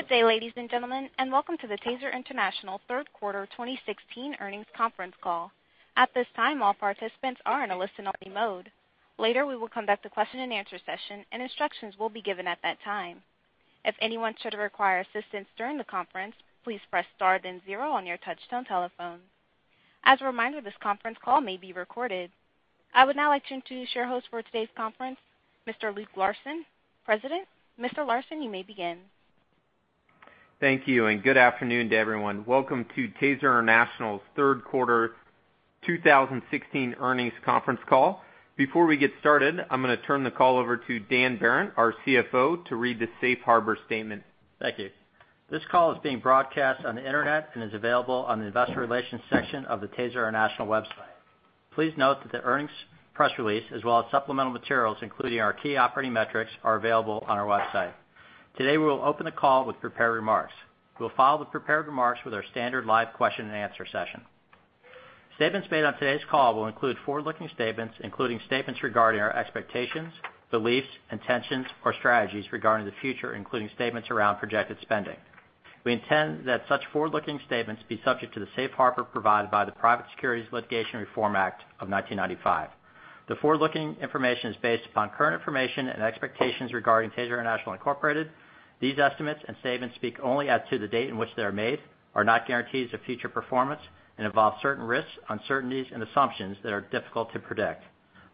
Good day, ladies and gentlemen, and welcome to the TASER International third quarter 2016 earnings conference call. At this time, all participants are in a listen-only mode. Later, we will conduct a question and answer session. Instructions will be given at that time. If anyone should require assistance during the conference, please press star then zero on your touchtone telephone. As a reminder, this conference call may be recorded. I would now like to introduce your host for today's conference, Mr. Luke Larson, President. Mr. Larson, you may begin. Thank you, and good afternoon to everyone. Welcome to TASER International's third quarter 2016 earnings conference call. Before we get started, I'm going to turn the call over to Dan Behrendt, our CFO, to read the safe harbor statement. Thank you. This call is being broadcast on the internet and is available on the investor relations section of the TASER International website. Please note that the earnings press release, as well as supplemental materials, including our key operating metrics, are available on our website. Today, we will open the call with prepared remarks. We'll follow the prepared remarks with our standard live question and answer session. Statements made on today's call will include forward-looking statements, including statements regarding our expectations, beliefs, intentions, or strategies regarding the future, including statements around projected spending. We intend that such forward-looking statements be subject to the safe harbor provided by the Private Securities Litigation Reform Act of 1995. The forward-looking information is based upon current information and expectations regarding TASER International, Inc.. These estimates and statements speak only as to the date on which they are made, are not guarantees of future performance, and involve certain risks, uncertainties, and assumptions that are difficult to predict.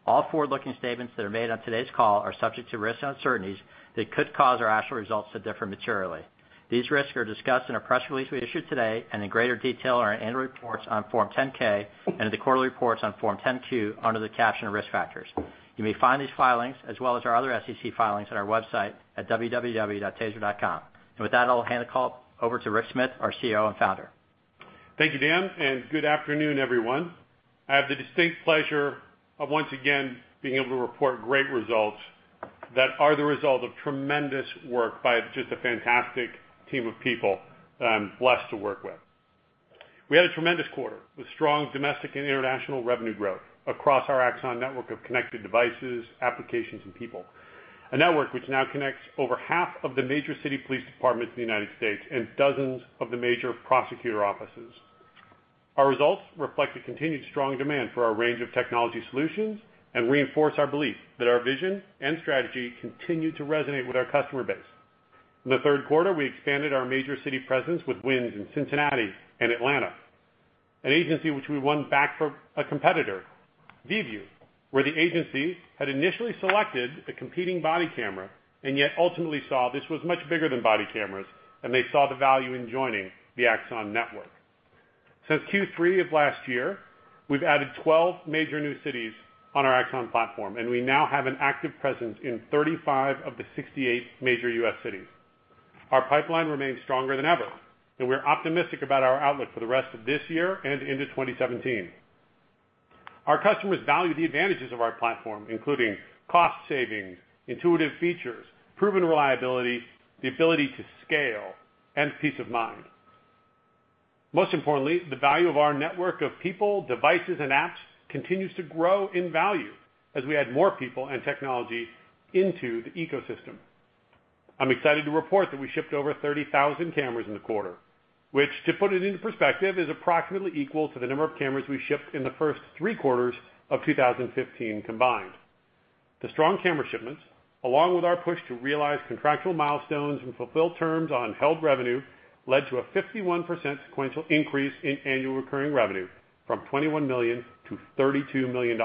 All forward-looking statements that are made on today's call are subject to risks and uncertainties that could cause our actual results to differ materially. These risks are discussed in our press release we issued today and in greater detail in our annual reports on Form 10-K and in the quarterly reports on Form 10-Q under the caption Risk Factors. You may find these filings, as well as our other SEC filings, on our website at www.taser.com. With that, I'll hand the call over to Rick Smith, our CEO and founder. Thank you, Dan, and good afternoon, everyone. I have the distinct pleasure of once again being able to report great results that are the result of tremendous work by just a fantastic team of people that I'm blessed to work with. We had a tremendous quarter with strong domestic and international revenue growth across our Axon network of connected devices, applications, and people. A network which now connects over half of the major city police departments in the U.S. and dozens of the major prosecutor offices. Our results reflect the continued strong demand for our range of technology solutions and reinforce our belief that our vision and strategy continue to resonate with our customer base. In the third quarter, we expanded our major city presence with wins in Cincinnati and Atlanta, an agency which we won back from a competitor, Vievu, where the agency had initially selected a competing body camera and yet ultimately saw this was much bigger than body cameras, and they saw the value in joining the Axon network. Since Q3 of last year, we've added 12 major new cities on our Axon platform, and we now have an active presence in 35 of the 68 major U.S. cities. Our pipeline remains stronger than ever, and we're optimistic about our outlook for the rest of this year and into 2017. Our customers value the advantages of our platform, including cost savings, intuitive features, proven reliability, the ability to scale, and peace of mind. Most importantly, the value of our network of people, devices, and apps continues to grow in value as we add more people and technology into the ecosystem. I'm excited to report that we shipped over 30,000 cameras in the quarter, which, to put it into perspective, is approximately equal to the number of cameras we shipped in the first three quarters of 2015 combined. The strong camera shipments, along with our push to realize contractual milestones and fulfill terms on held revenue, led to a 51% sequential increase in annual recurring revenue from $21 million to $32 million.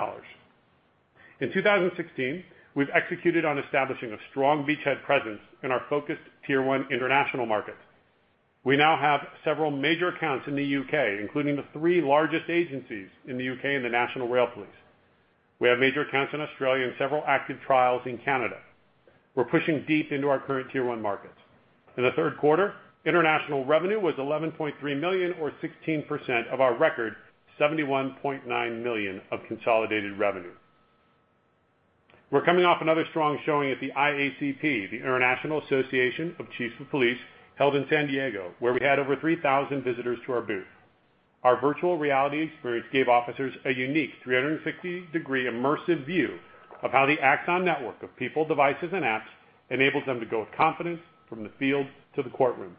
In 2016, we've executed on establishing a strong beachhead presence in our focused tier 1 international markets. We now have several major accounts in the U.K., including the three largest agencies in the U.K. and the National Rail Police. We have major accounts in Australia and several active trials in Canada. We're pushing deep into our current tier 1 markets. In the third quarter, international revenue was $11.3 million or 16% of our record $71.9 million of consolidated revenue. We're coming off another strong showing at the IACP, the International Association of Chiefs of Police, held in San Diego, where we had over 3,000 visitors to our booth. Our virtual reality experience gave officers a unique 360-degree immersive view of how the Axon network of people, devices, and apps enables them to go with confidence from the field to the courtroom.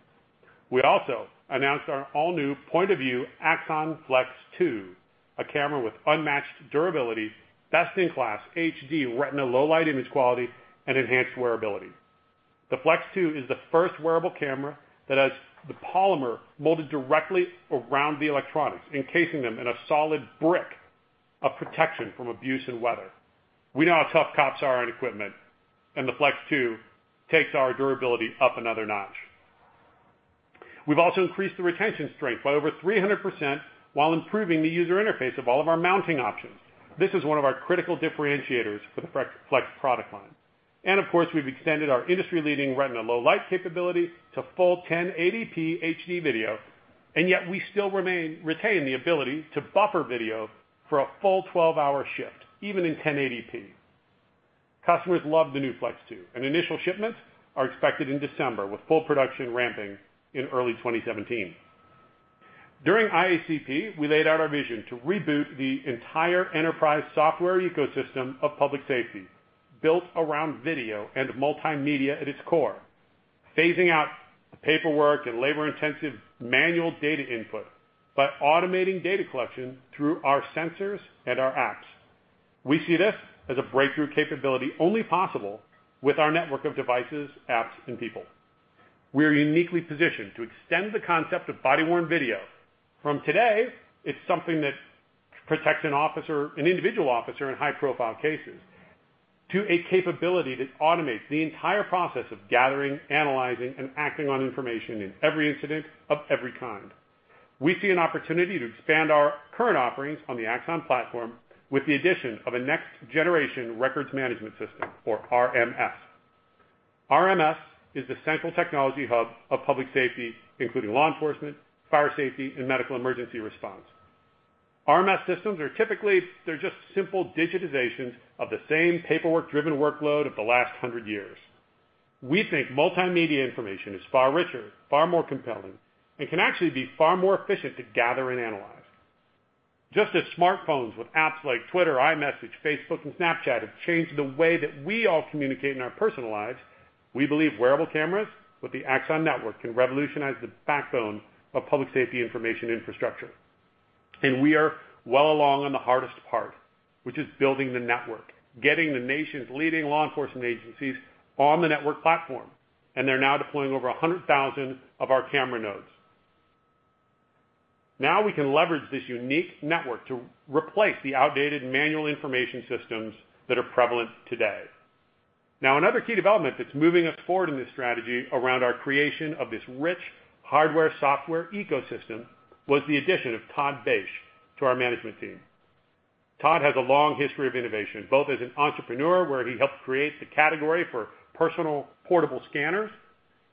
We also announced our all-new point of view, Axon Flex 2, a camera with unmatched durability, best-in-class HD retina low-light image quality, and enhanced wearability. The Flex 2 is the first wearable camera that has the polymer molded directly around the electronics, encasing them in a solid brick of protection from abuse and weather. We know how tough cops are on equipment. The Flex 2 takes our durability up another notch. We've also increased the retention strength by over 300% while improving the user interface of all of our mounting options. This is one of our critical differentiators for the Flex product line. Of course, we've extended our industry-leading retina low-light capability to full 1080p HD video, yet we still retain the ability to buffer video for a full 12-hour shift, even in 1080p. Customers love the new Flex 2, and initial shipments are expected in December, with full production ramping in early 2017. During IACP, we laid out our vision to reboot the entire enterprise software ecosystem of public safety, built around video and multimedia at its core, phasing out the paperwork and labor-intensive manual data input by automating data collection through our sensors and our apps. We see this as a breakthrough capability only possible with our network of devices, apps, and people. We are uniquely positioned to extend the concept of body-worn video from today, it's something that protects an individual officer in high-profile cases, to a capability that automates the entire process of gathering, analyzing, and acting on information in every incident of every kind. We see an opportunity to expand our current offerings on the Axon platform with the addition of a next-generation records management system or RMS. RMS is the central technology hub of public safety, including law enforcement, fire safety, and medical emergency response. RMS systems are typically just simple digitizations of the same paperwork-driven workload of the last 100 years. We think multimedia information is far richer, far more compelling, and can actually be far more efficient to gather and analyze. Just as smartphones with apps like Twitter, iMessage, Facebook, and Snapchat have changed the way that we all communicate in our personal lives, we believe wearable cameras with the Axon network can revolutionize the backbone of public safety information infrastructure. We are well along on the hardest part, which is building the network, getting the nation's leading law enforcement agencies on the network platform, and they're now deploying over 100,000 of our camera nodes. We can leverage this unique network to replace the outdated manual information systems that are prevalent today. Another key development that's moving us forward in this strategy around our creation of this rich hardware, software ecosystem was the addition of Todd Basche to our management team. Todd has a long history of innovation, both as an entrepreneur where he helped create the category for personal portable scanners,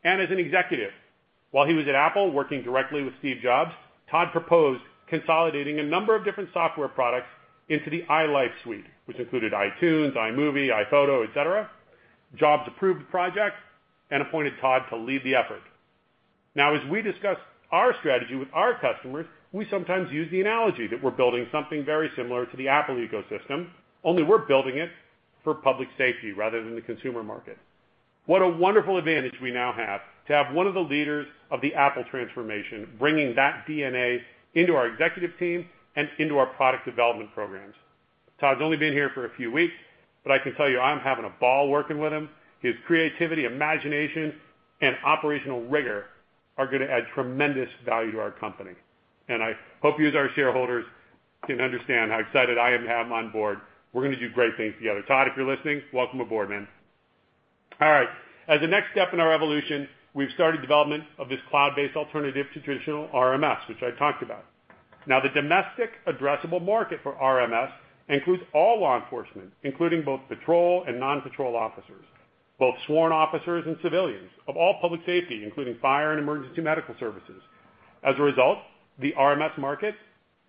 and as an executive. While he was at Apple, working directly with Steve Jobs, Todd proposed consolidating a number of different software products into the iLife Suite, which included iTunes, iMovie, iPhoto, et cetera. Jobs approved the project and appointed Todd to lead the effort. As we discuss our strategy with our customers, we sometimes use the analogy that we're building something very similar to the Apple ecosystem, only we're building it for public safety rather than the consumer market. What a wonderful advantage we now have to have one of the leaders of the Apple transformation, bringing that DNA into our executive team and into our product development programs. Todd's only been here for a few weeks, but I can tell you I'm having a ball working with him. His creativity, imagination, and operational rigor are going to add tremendous value to our company, and I hope you as our shareholders can understand how excited I am to have him on board. We're going to do great things together. Todd, if you're listening, welcome aboard, man. As the next step in our evolution, we've started development of this cloud-based alternative to traditional RMS, which I talked about. The domestic addressable market for RMS includes all law enforcement, including both patrol and non-patrol officers, both sworn officers and civilians of all public safety, including fire and emergency medical services. As a result, the RMS market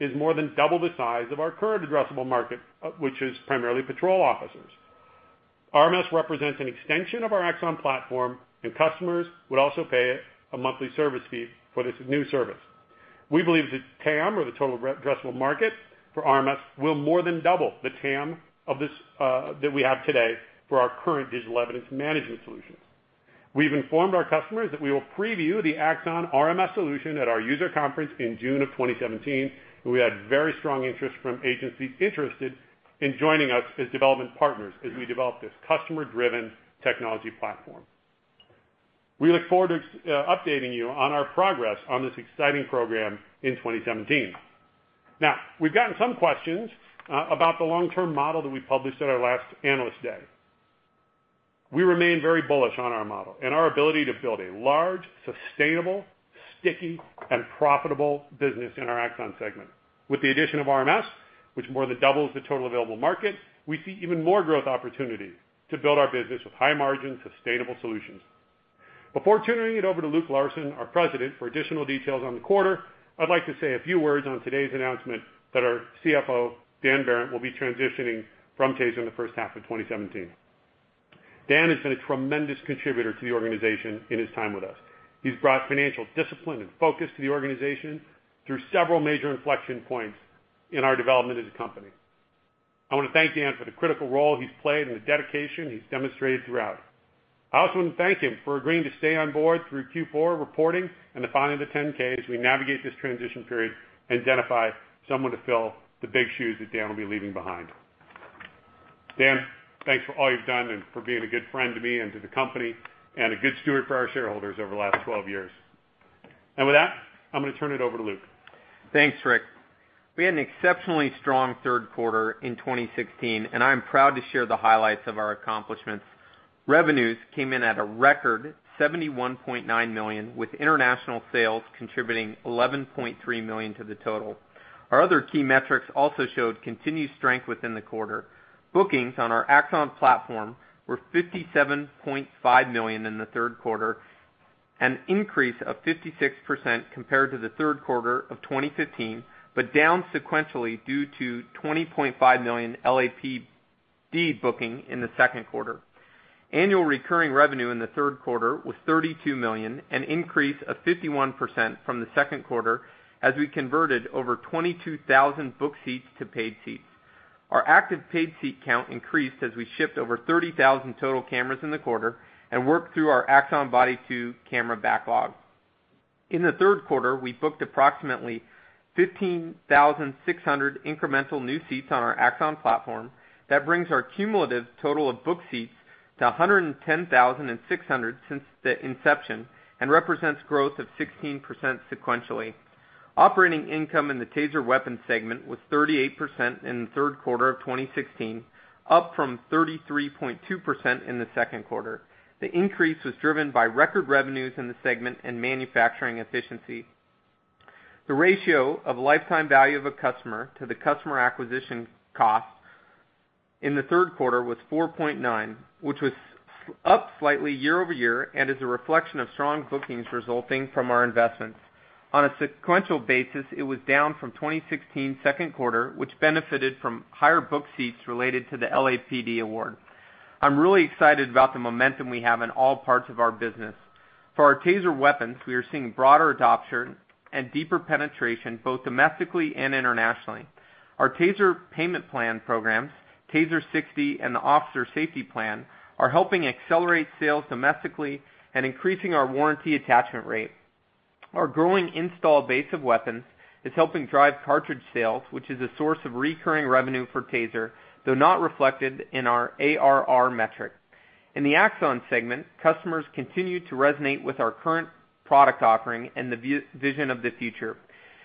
is more than double the size of our current addressable market, which is primarily patrol officers. RMS represents an extension of our Axon platform, and customers would also pay a monthly service fee for this new service. We believe that TAM or the total addressable market for RMS will more than double the TAM that we have today for our current digital evidence management solutions. We've informed our customers that we will preview the Axon RMS solution at our user conference in June of 2017, and we had very strong interest from agencies interested in joining us as development partners as we develop this customer-driven technology platform. We look forward to updating you on our progress on this exciting program in 2017. We've gotten some questions about the long-term model that we published at our last Analyst Day. We remain very bullish on our model and our ability to build a large, sustainable, sticky, and profitable business in our Axon segment. With the addition of RMS, which more than doubles the total available market, we see even more growth opportunity to build our business with high-margin, sustainable solutions. Before turning it over to Luke Larson, our President, for additional details on the quarter, I'd like to say a few words on today's announcement that our CFO, Dan Behrendt, will be transitioning from TASER in the first half of 2017. Dan has been a tremendous contributor to the organization in his time with us. He's brought financial discipline and focus to the organization through several major inflection points in our development as a company. I want to thank Dan for the critical role he's played and the dedication he's demonstrated throughout. I also want to thank him for agreeing to stay on board through Q4 reporting and the filing of the 10-K as we navigate this transition period and identify someone to fill the big shoes that Dan will be leaving behind. Dan, thanks for all you've done and for being a good friend to me and to the company, and a good steward for our shareholders over the last 12 years. With that, I'm going to turn it over to Luke. Thanks, Rick. We had an exceptionally strong third quarter in 2016. I am proud to share the highlights of our accomplishments. Revenues came in at a record $71.9 million, with international sales contributing $11.3 million to the total. Our other key metrics also showed continued strength within the quarter. Bookings on our Axon platform were $57.5 million in the third quarter, an increase of 56% compared to the third quarter of 2015. Down sequentially due to $20.5 million LAPD deal booking in the second quarter. Annual recurring revenue in the third quarter was $32 million, an increase of 51% from the second quarter, as we converted over 22,000 booked seats to paid seats. Our active paid seat count increased as we shipped over 30,000 total cameras in the quarter and worked through our Axon Body 2 camera backlog. In the third quarter, we booked approximately 15,600 incremental new seats on our Axon platform. That brings our cumulative total of booked seats to 110,600 since the inception and represents growth of 16% sequentially. Operating income in the TASER Weapons segment was 38% in the third quarter of 2016, up from 33.2% in the second quarter. The increase was driven by record revenues in the segment and manufacturing efficiency. The ratio of lifetime value of a customer to the customer acquisition cost in the third quarter was 4.9, which was up slightly year-over-year and is a reflection of strong bookings resulting from our investments. On a sequential basis, it was down from 2016's second quarter, which benefited from higher booked seats related to the LAPD award. I'm really excited about the momentum we have in all parts of our business. For our TASER Weapons, we are seeing broader adoption and deeper penetration, both domestically and internationally. Our TASER payment plan programs, TASER 60 and the Officer Safety Plan, are helping accelerate sales domestically and increasing our warranty attachment rate. Our growing install base of weapons is helping drive cartridge sales, which is a source of recurring revenue for TASER, though not reflected in our ARR metric. In the Axon segment, customers continue to resonate with our current product offering and the vision of the future.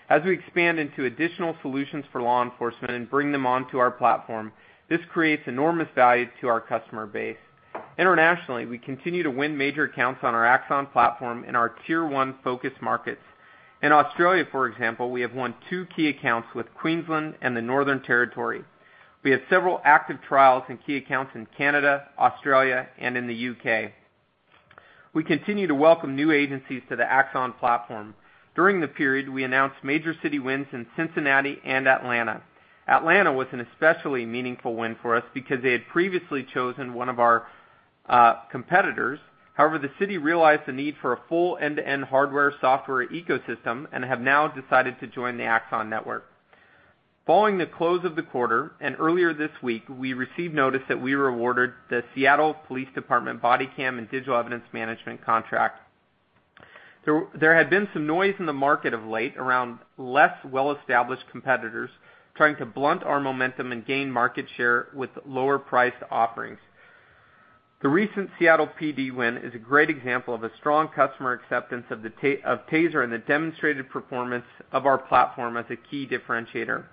As we expand into additional solutions for law enforcement and bring them onto our platform, this creates enormous value to our customer base. Internationally, we continue to win major accounts on our Axon platform in our tier 1 focus markets. In Australia, for example, we have won two key accounts with Queensland and the Northern Territory. We have several active trials and key accounts in Canada, Australia, and in the U.K. We continue to welcome new agencies to the Axon platform. During the period, we announced major city wins in Cincinnati and Atlanta. Atlanta was an especially meaningful win for us because they had previously chosen one of our competitors. The city realized the need for a full end-to-end hardware/software ecosystem and have now decided to join the Axon network. Following the close of the quarter, earlier this week, we received notice that we were awarded the Seattle Police Department body cam and digital evidence management contract. There had been some noise in the market of late around less well-established competitors trying to blunt our momentum and gain market share with lower-priced offerings. The recent Seattle PD win is a great example of a strong customer acceptance of TASER and the demonstrated performance of our platform as a key differentiator.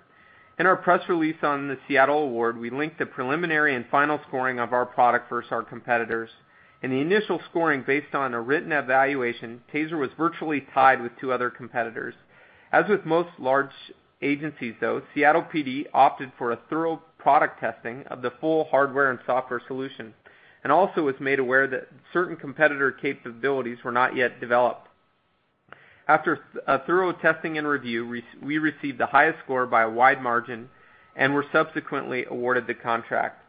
In our press release on the Seattle award, we linked the preliminary and final scoring of our product versus our competitors. In the initial scoring, based on a written evaluation, TASER was virtually tied with two other competitors. As with most large agencies, though, Seattle PD opted for a thorough product testing of the full hardware and software solution. Also, Seattle PD was made aware that certain competitor capabilities were not yet developed. After a thorough testing and review, we received the highest score by a wide margin and were subsequently awarded the contract.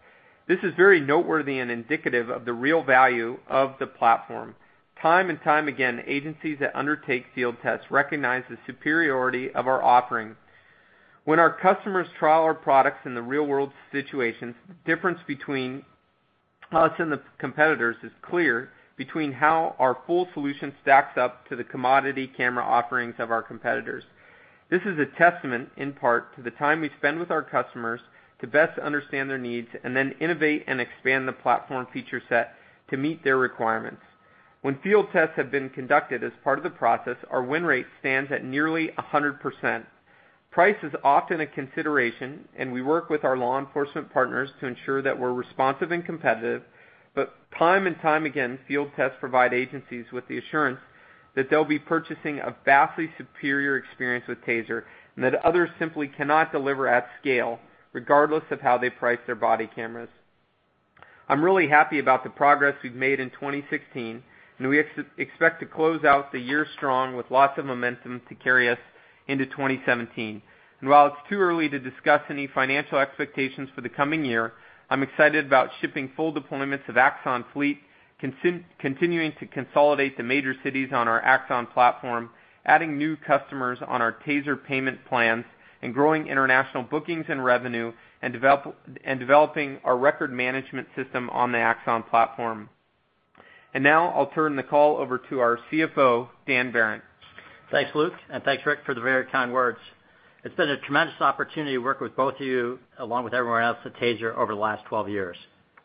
This is very noteworthy and indicative of the real value of the platform. Time and time again, agencies that undertake field tests recognize the superiority of our offerings. When our customers trial our products in the real-world situations, the difference between us and the competitors is clear between how our full solution stacks up to the commodity camera offerings of our competitors. This is a testament, in part, to the time we spend with our customers to best understand their needs and then innovate and expand the platform feature set to meet their requirements. When field tests have been conducted as part of the process, our win rate stands at nearly 100%. Price is often a consideration, and we work with our law enforcement partners to ensure that we are responsive and competitive. But time and time again, field tests provide agencies with the assurance that they will be purchasing a vastly superior experience with TASER and that others simply cannot deliver at scale, regardless of how they price their body cameras. I am really happy about the progress we have made in 2016, and we expect to close out the year strong with lots of momentum to carry us into 2017. While it is too early to discuss any financial expectations for the coming year, I am excited about shipping full deployments of Axon Fleet, continuing to consolidate the major cities on our Axon platform, adding new customers on our TASER payment plans, growing international bookings and revenue, and developing our record management system on the Axon platform. Now I will turn the call over to our CFO, Dan Behrendt. Thanks, Luke, and thanks, Rick, for the very kind words. It has been a tremendous opportunity to work with both of you, along with everyone else at TASER over the last 12 years.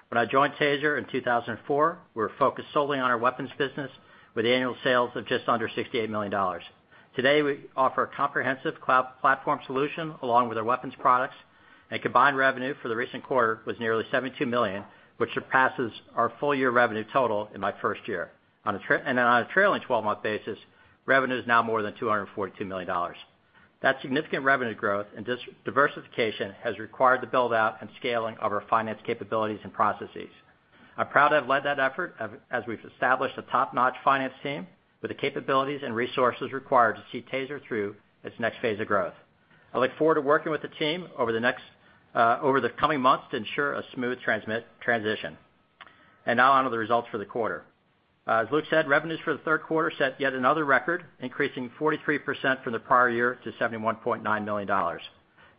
When I joined TASER in 2004, we were focused solely on our weapons business with annual sales of just under $68 million. Today, we offer a comprehensive cloud platform solution along with our weapons products, and combined revenue for the recent quarter was nearly $72 million, which surpasses our full year revenue total in my first year. On a trailing 12-month basis, revenue is now more than $242 million. That significant revenue growth and diversification has required the build-out and scaling of our finance capabilities and processes. I am proud to have led that effort as we have established a top-notch finance team with the capabilities and resources required to see TASER through its next phase of growth. I look forward to working with the team over the coming months to ensure a smooth transition. Now onto the results for the quarter. As Luke said, revenues for the third quarter set yet another record, increasing 43% from the prior year to $71.9 million.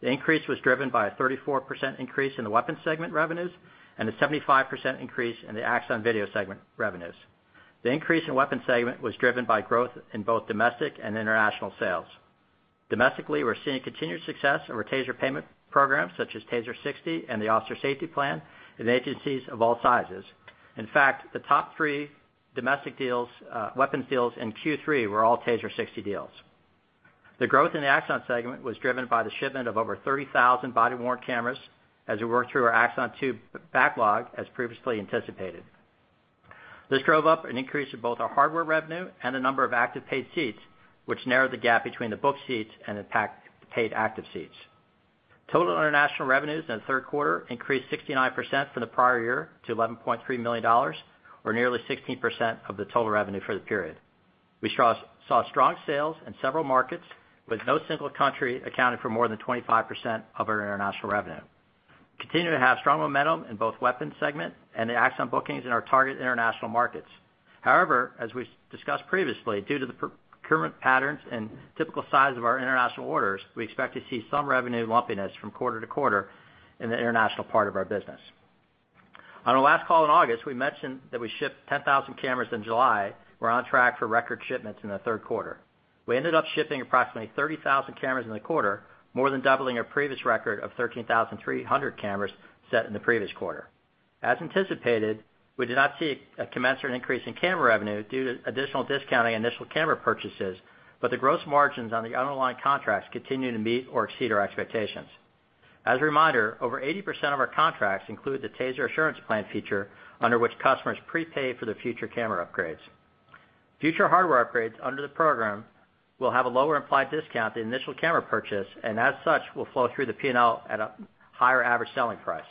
The increase was driven by a 34% increase in the weapons segment revenues and a 75% increase in the Axon video segment revenues. The increase in weapons segment was driven by growth in both domestic and international sales. Domestically, we're seeing continued success in our TASER payment programs, such as TASER 60 and the Officer Safety Plan in agencies of all sizes. In fact, the top three domestic weapons deals in Q3 were all TASER 60 deals. The growth in the Axon segment was driven by the shipment of over 30,000 body-worn cameras as we worked through our Axon II backlog, as previously anticipated. This drove up an increase in both our hardware revenue and the number of active paid seats, which narrowed the gap between the booked seats and the paid active seats. Total international revenues in the third quarter increased 69% from the prior year to $11.3 million, or nearly 16% of the total revenue for the period. We saw strong sales in several markets, with no single country accounting for more than 25% of our international revenue. We continue to have strong momentum in both weapons segment and the Axon bookings in our target international markets. However, as we discussed previously, due to the procurement patterns and typical size of our international orders, we expect to see some revenue lumpiness from quarter to quarter in the international part of our business. On our last call in August, we mentioned that we shipped 10,000 cameras in July. We're on track for record shipments in the third quarter. We ended up shipping approximately 30,000 cameras in the quarter, more than doubling our previous record of 13,300 cameras set in the previous quarter. As anticipated, we did not see a commensurate increase in camera revenue due to additional discounting initial camera purchases, but the gross margins on the underlying contracts continue to meet or exceed our expectations. As a reminder, over 80% of our contracts include the TASER Assurance Plan feature, under which customers prepay for their future camera upgrades. Future hardware upgrades under the program will have a lower implied discount than initial camera purchase, and as such, will flow through the P&L at a higher average selling price.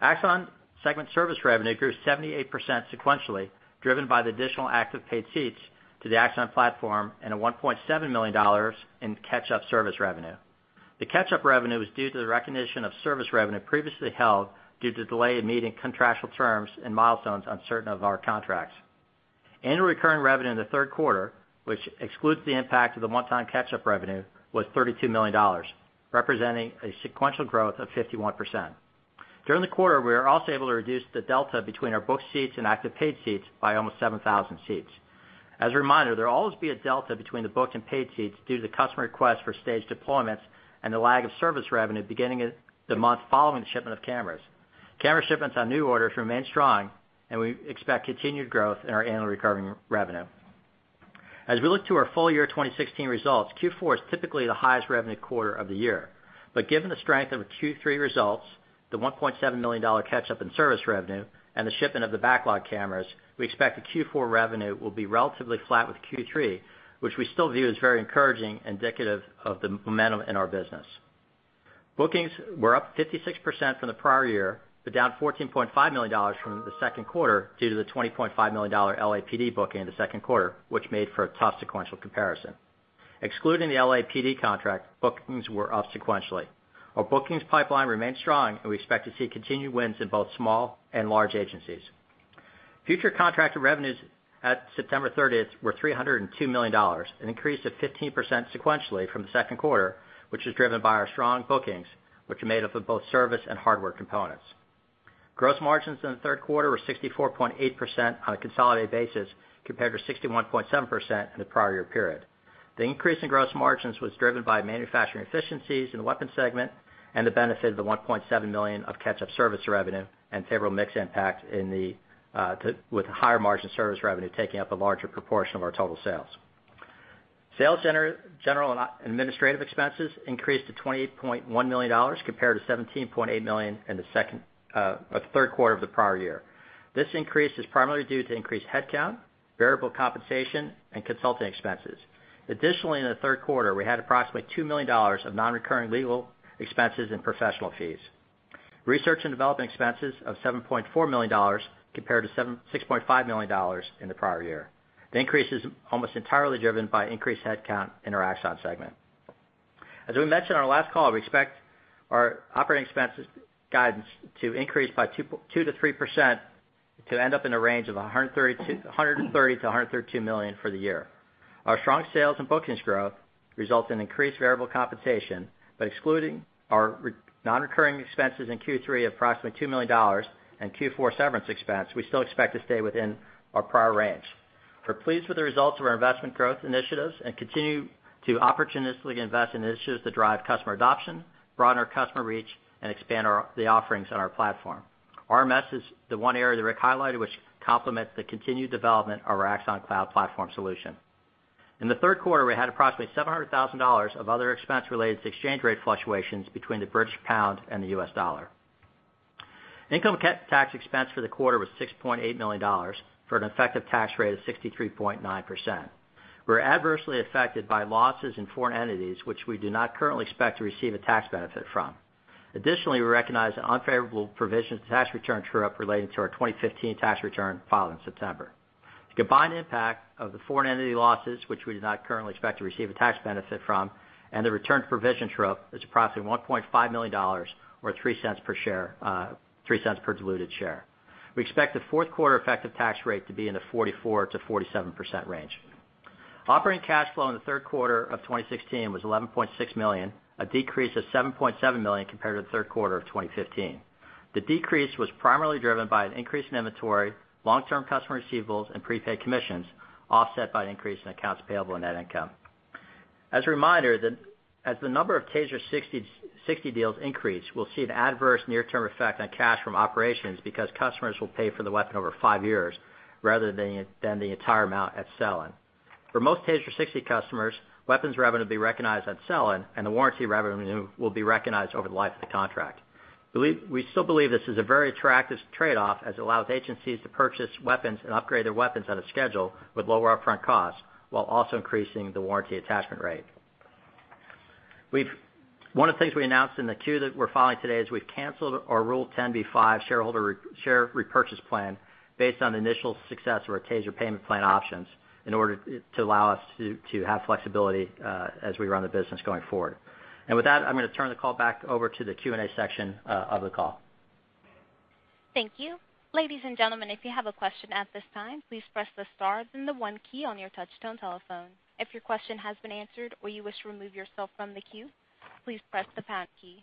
Axon segment service revenue grew 78% sequentially, driven by the additional active paid seats to the Axon platform and a $1.7 million in catch-up service revenue. The catch-up revenue was due to the recognition of service revenue previously held due to delay in meeting contractual terms and milestones on certain of our contracts. Annual recurring revenue in the third quarter, which excludes the impact of the one-time catch-up revenue, was $32 million, representing a sequential growth of 51%. During the quarter, we were also able to reduce the delta between our booked seats and active paid seats by almost 7,000 seats. As a reminder, there will always be a delta between the booked and paid seats due to customer requests for staged deployments and the lag of service revenue beginning the month following the shipment of cameras. Camera shipments on new orders remain strong, and we expect continued growth in our annual recurring revenue. As we look to our full year 2016 results, Q4 is typically the highest revenue quarter of the year. Given the strength of the Q3 results, the $1.7 million catch-up in service revenue, and the shipment of the backlog cameras, we expect the Q4 revenue will be relatively flat with Q3, which we still view as very encouraging, indicative of the momentum in our business. Bookings were up 56% from the prior year, down $14.5 million from the second quarter due to the $20.5 million LAPD booking in the second quarter, which made for a tough sequential comparison. Excluding the LAPD contract, bookings were up sequentially. Our bookings pipeline remains strong, and we expect to see continued wins in both small and large agencies. Future contracted revenues at September 30th were $302 million, an increase of 15% sequentially from the second quarter, which was driven by our strong bookings, which are made up of both service and hardware components. Gross margins in the third quarter were 64.8% on a consolidated basis compared to 61.7% in the prior year period. The increase in gross margins was driven by manufacturing efficiencies in the weapons segment and the benefit of the $1.7 million of catch-up service revenue and favorable mix impact with higher margin service revenue taking up a larger proportion of our total sales. Sales general and administrative expenses increased to $28.1 million, compared to $17.8 million in the third quarter of the prior year. This increase is primarily due to increased headcount, variable compensation, and consulting expenses. Additionally, in the third quarter, we had approximately $2 million of non-recurring legal expenses and professional fees. Research and development expenses of $7.4 million, compared to $6.5 million in the prior year. The increase is almost entirely driven by increased headcount in our Axon segment. As we mentioned on our last call, we expect our operating expenses guidance to increase by 2%-3% to end up in a range of $130 million-$132 million for the year. Our strong sales and bookings growth result in increased variable compensation, but excluding our non-recurring expenses in Q3 of approximately $2 million and Q4 severance expense, we still expect to stay within our prior range. We're pleased with the results of our investment growth initiatives and continue to opportunistically invest in initiatives that drive customer adoption, broaden our customer reach, and expand the offerings on our platform. RMS is the one area that Rick highlighted, which complements the continued development of our Axon Cloud platform solution. In the third quarter, we had approximately $700,000 of other expense related to exchange rate fluctuations between the British pound and the US dollar. Income tax expense for the quarter was $6.8 million, for an effective tax rate of 63.9%. We're adversely affected by losses in foreign entities, which we do not currently expect to receive a tax benefit from. Additionally, we recognize an unfavorable provision tax return true-up relating to our 2015 tax return filed in September. The combined impact of the foreign entity losses, which we do not currently expect to receive a tax benefit from, and the return provision true-up, is approximately $1.5 million, or $0.03 per diluted share. We expect the fourth quarter effective tax rate to be in the 44%-47% range. Operating cash flow in the third quarter of 2016 was $11.6 million, a decrease of $7.7 million compared to the third quarter of 2015. The decrease was primarily driven by an increase in inventory, long-term customer receivables, and prepaid commissions, offset by an increase in accounts payable and net income. As a reminder, as the number of TASER 60 deals increase, we'll see an adverse near-term effect on cash from operations because customers will pay for the weapon over five years rather than the entire amount at sell-in. For most TASER 60 customers, weapons revenue will be recognized at sell-in and the warranty revenue will be recognized over the life of the contract. We still believe this is a very attractive trade-off as it allows agencies to purchase weapons and upgrade their weapons on a schedule with lower upfront costs while also increasing the warranty attachment rate. One of the things we announced in the Q that we're filing today is we've canceled our Rule 10b5-1 shareholder share repurchase plan based on the initial success of our TASER payment plan options in order to allow us to have flexibility as we run the business going forward. With that, I'm going to turn the call back over to the Q&A section of the call. Thank you. Ladies and gentlemen, if you have a question at this time, please press the star then the one key on your touch tone telephone. If your question has been answered or you wish to remove yourself from the queue, please press the pound key.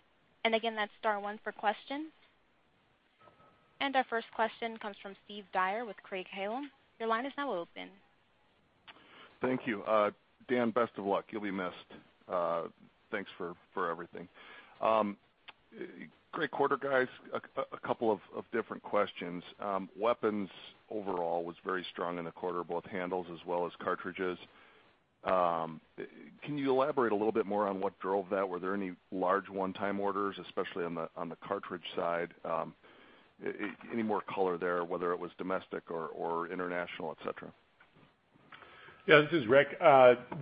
Again, that's star one for questions. Our first question comes from Steve Dyer with Craig-Hallum. Your line is now open. Thank you. Dan, best of luck. You'll be missed. Thanks for everything. Great quarter, guys. A couple of different questions. Weapons overall was very strong in the quarter, both handles as well as cartridges. Can you elaborate a little bit more on what drove that? Were there any large one-time orders, especially on the cartridge side? Any more color there, whether it was domestic or international, et cetera? This is Rick.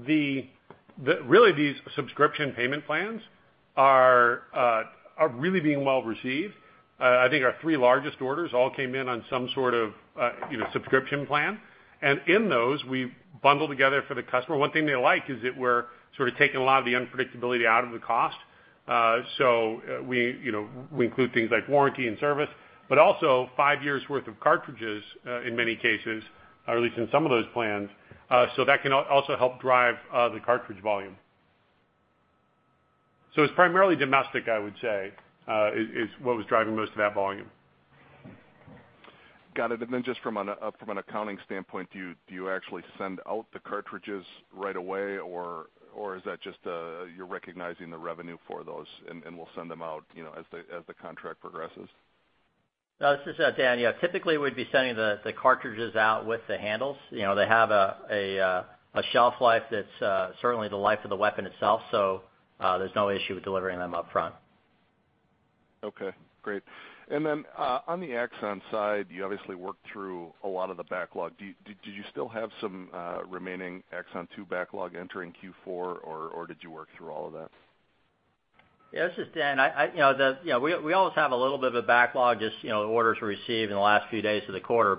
These subscription payment plans are really being well received. I think our three largest orders all came in on some sort of subscription plan. In those, we bundle together for the customer. One thing they like is that we're sort of taking a lot of the unpredictability out of the cost. We include things like warranty and service, but also five years worth of cartridges in many cases, or at least in some of those plans. That can also help drive the cartridge volume. It's primarily domestic, I would say, is what was driving most of that volume. Got it. Just from an accounting standpoint, do you actually send out the cartridges right away, or is that just you're recognizing the revenue for those and will send them out as the contract progresses? This is Dan. Typically, we'd be sending the cartridges out with the handles. They have a shelf life that's certainly the life of the weapon itself, so there's no issue with delivering them upfront. Okay, great. On the Axon side, you obviously worked through a lot of the backlog. Do you still have some remaining Axon II backlog entering Q4, or did you work through all of that? Yeah, this is Dan. We always have a little bit of a backlog, just the orders we received in the last few days of the quarter.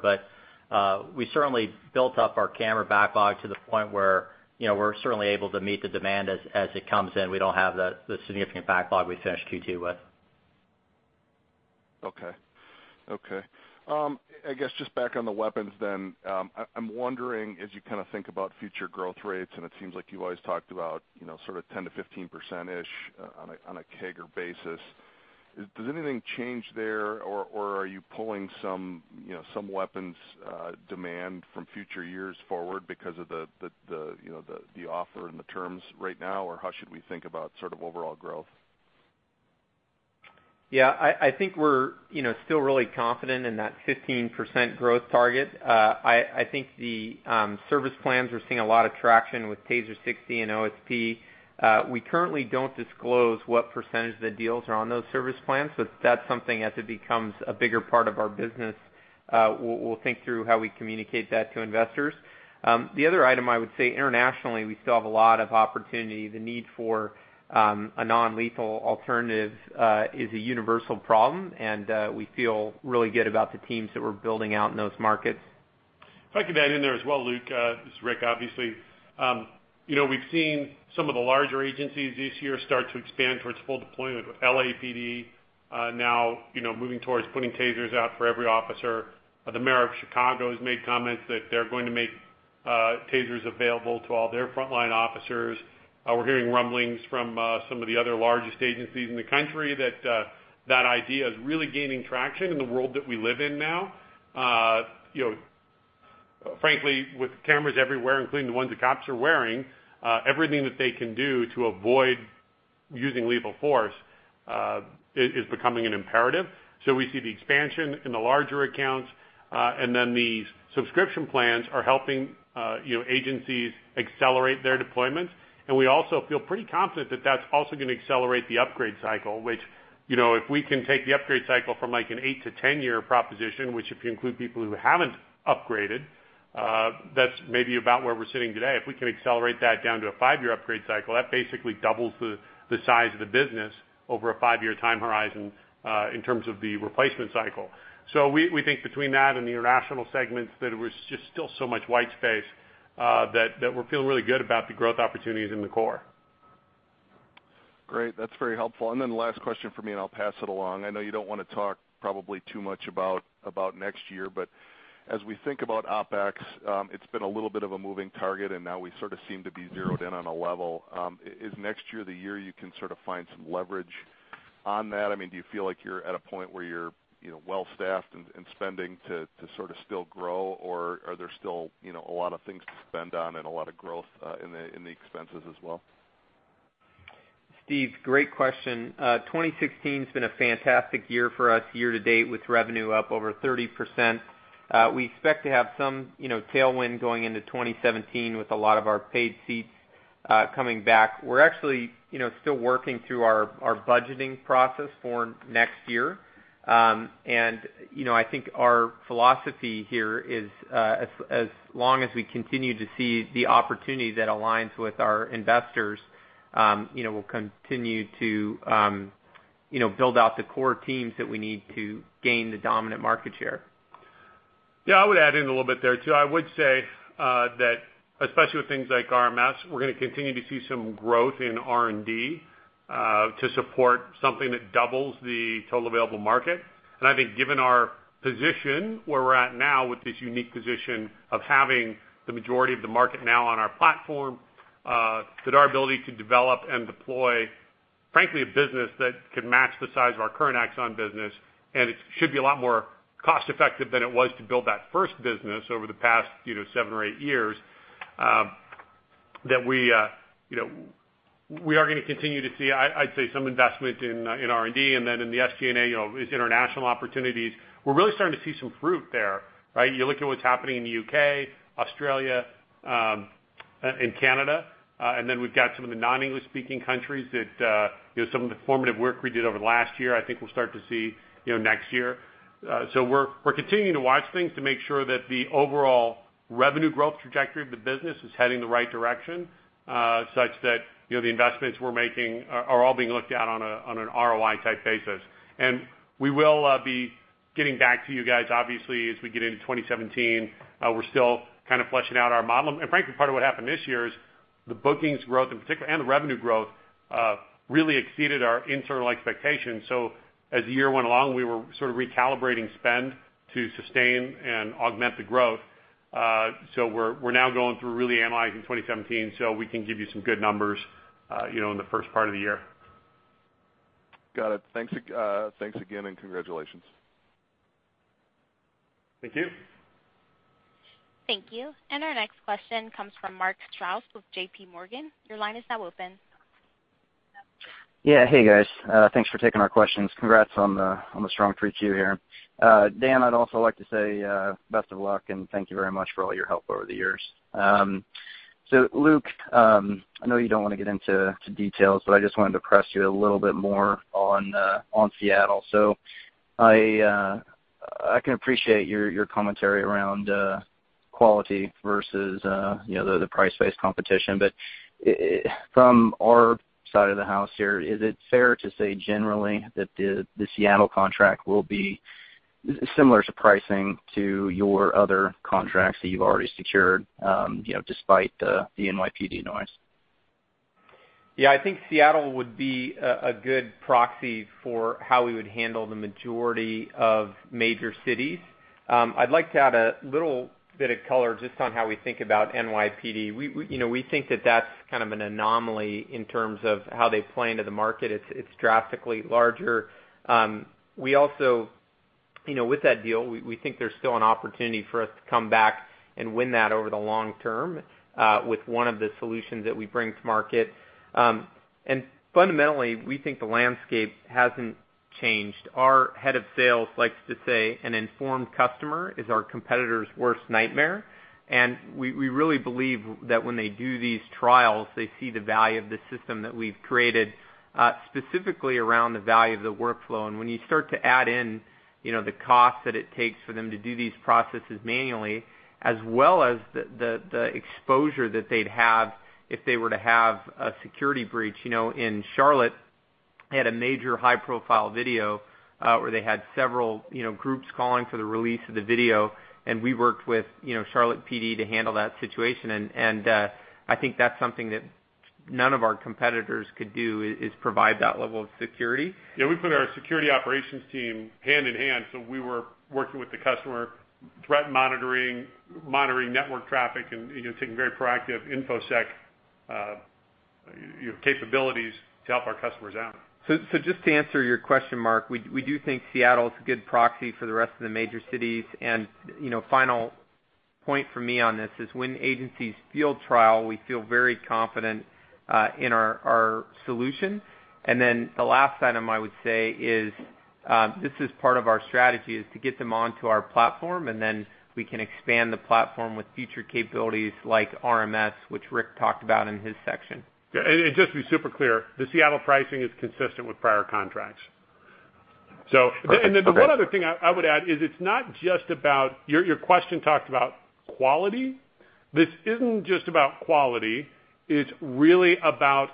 We certainly built up our camera backlog to the point where we're certainly able to meet the demand as it comes in. We don't have the significant backlog we finished Q2 with. Okay. I guess just back on the weapons then. I'm wondering as you kind of think about future growth rates, it seems like you always talked about sort of 10% to 15%-ish on a CAGR basis. Does anything change there, are you pulling some weapons demand from future years forward because of the offer and the terms right now, or how should we think about sort of overall growth? Yeah, I think we're still really confident in that 15% growth target. I think the service plans, we're seeing a lot of traction with TASER 60 and OSP. We currently don't disclose what % of the deals are on those service plans, that's something as it becomes a bigger part of our business, we'll think through how we communicate that to investors. The other item I would say internationally, we still have a lot of opportunity. The need for a non-lethal alternative is a universal problem, we feel really good about the teams that we're building out in those markets. If I could add in there as well, Luke, this is Rick, obviously. We've seen some of the larger agencies this year start to expand towards full deployment with LAPD now moving towards putting TASERs out for every officer. The mayor of Chicago has made comments that they're going to make TASERs available to all their frontline officers. We're hearing rumblings from some of the other largest agencies in the country that idea is really gaining traction in the world that we live in now. Frankly, with cameras everywhere, including the ones that cops are wearing, everything that they can do to avoid using lethal force is becoming an imperative. We see the expansion in the larger accounts. The subscription plans are helping agencies accelerate their deployments. We also feel pretty confident that that's also going to accelerate the upgrade cycle, which if we can take the upgrade cycle from an eight to 10-year proposition, which if you include people who haven't upgraded, that's maybe about where we're sitting today. If we can accelerate that down to a five-year upgrade cycle, that basically doubles the size of the business over a five-year time horizon in terms of the replacement cycle. We think between that and the international segments, that there was just still so much white space that we're feeling really good about the growth opportunities in the core. Great. That's very helpful. Last question from me, and I'll pass it along. I know you don't want to talk probably too much about next year, but as we think about OpEx, it's been a little bit of a moving target, and now we sort of seem to be zeroed in on a level. Is next year the year you can sort of find some leverage on that? Do you feel like you're at a point where you're well-staffed in spending to sort of still grow, or are there still a lot of things to spend on and a lot of growth in the expenses as well? Steve, great question. 2016 has been a fantastic year for us year-to-date with revenue up over 30%. We expect to have some tailwind going into 2017 with a lot of our paid seats coming back. We're actually still working through our budgeting process for next year. I think our philosophy here is as long as we continue to see the opportunity that aligns with our investors, we'll continue to build out the core teams that we need to gain the dominant market share. Yeah, I would add in a little bit there, too. I would say that especially with things like RMS, we're going to continue to see some growth in R&D to support something that doubles the total available market. I think given our position where we're at now with this unique position of having the majority of the market now on our platform, that our ability to develop and deploy, frankly, a business that could match the size of our current Axon business, and it should be a lot more cost-effective than it was to build that first business over the past seven or eight years, that we are going to continue to see, I'd say, some investment in R&D. In the SG&A, these international opportunities, we're really starting to see some fruit there. You look at what's happening in the U.K., Australia, and Canada. We've got some of the non-English speaking countries that some of the formative work we did over the last year, I think we'll start to see next year. We're continuing to watch things to make sure that the overall revenue growth trajectory of the business is heading the right direction such that the investments we're making are all being looked at on an ROI type basis. We will be getting back to you guys, obviously, as we get into 2017. We're still kind of fleshing out our model. Frankly, part of what happened this year is the bookings growth in particular, and the revenue growth really exceeded our internal expectations. As the year went along, we were sort of recalibrating spend to sustain and augment the growth. We're now going through really analyzing 2017 so we can give you some good numbers in the first part of the year. Got it. Thanks again, and congratulations. Thank you. Thank you. Our next question comes from Mark Strouse with J.P. Morgan. Your line is now open. Yeah. Hey, guys. Thanks for taking our questions. Congrats on the strong 3Q here. Dan, I'd also like to say best of luck, and thank you very much for all your help over the years. Luke, I know you don't want to get into details, but I just wanted to press you a little bit more on Seattle. I can appreciate your commentary around quality versus the price-based competition. From our side of the house here, is it fair to say generally that the Seattle contract will be similar to pricing to your other contracts that you've already secured despite the NYPD noise? Yeah, I think Seattle would be a good proxy for how we would handle the majority of major cities. I'd like to add a little bit of color just on how we think about NYPD. We think that that's kind of an anomaly in terms of how they play into the market. It's drastically larger. With that deal, we think there's still an opportunity for us to come back and win that over the long term with one of the solutions that we bring to market. Fundamentally, we think the landscape hasn't changed. Our head of sales likes to say an informed customer is our competitor's worst nightmare, and we really believe that when they do these trials, they see the value of the system that we've created, specifically around the value of the workflow. When you start to add in the cost that it takes for them to do these processes manually, as well as the exposure that they'd have if they were to have a security breach. In Charlotte, they had a major high-profile video where they had several groups calling for the release of the video, and we worked with Charlotte PD to handle that situation. I think that's something that none of our competitors could do, is provide that level of security. We put our security operations team hand in hand. We were working with the customer, threat monitoring network traffic, and taking very proactive info sec capabilities to help our customers out. Just to answer your question, Mark, we do think Seattle is a good proxy for the rest of the major cities. Final point for me on this is when agencies field trial, we feel very confident in our solution. The last item I would say is, this is part of our strategy, is to get them onto our platform, and then we can expand the platform with future capabilities like RMS, which Rick talked about in his section. Yeah. Just to be super clear, the Seattle pricing is consistent with prior contracts. Perfect. Okay. The one other thing I would add is it's not just about, your question talked about quality. This isn't just about quality. It's really about